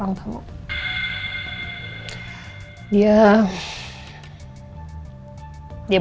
aku mau tidur